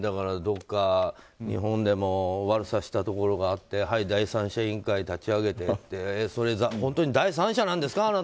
どこか日本でも悪さしたところがあってはい、第三者委員会を立ち上げてってそれ、本当に第三者なんですか